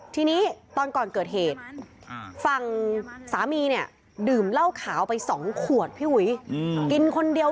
ที่นี้ตอนก่อนเกิดเหตุฟังสามีเนี้ย